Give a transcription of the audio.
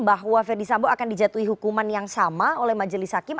bahwa ferdisambo akan dijatuhi hukuman yang sama oleh majelis hakim